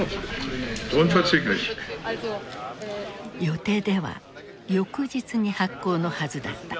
予定では翌日に発効のはずだった。